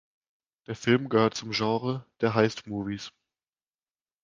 Der Film gehört zum Genre der Heist-Movies.